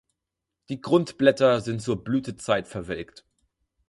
Die Grundblätter sind zur Blütezeit verwelkt.